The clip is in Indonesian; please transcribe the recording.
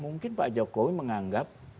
mungkin pak jokowi menganggap